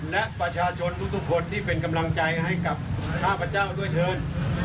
และประชาชนทุกคนที่เป็นกำลังใจให้กับข้าพเจ้าด้วยเชิญ